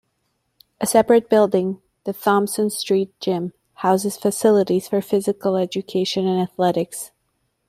A separate building, the Thompson Street Gym, houses facilities for physical education and athletics.